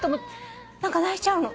何か泣いちゃうの。